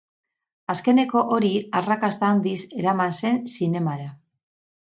Azkeneko hori arrakasta handiz eraman zen zinemara.